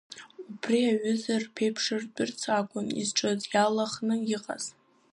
Убри аҩыза рԥеиԥшыртәырц акәын изҿыз иалаханы иҟаз.